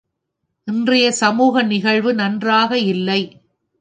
இன்றைய சமூக நிகழ்வு நன்றாக இல்லை.